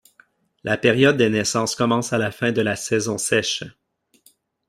La période des naissances commence à la fin de la saison sèche.